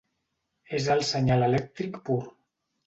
És el senyal elèctric pur.